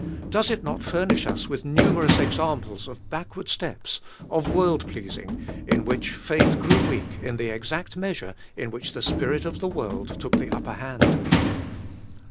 Does it not furnish us with nuanerou'S examples of backward steps, of world pleaBing, in which faith grew weak in the exact meas ure in which the spirit of the world took the upper hand?